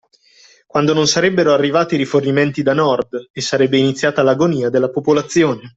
Quando non sarebbero arrivati rifornimenti da Nord, e sarebbe iniziata l’agonia della popolazione.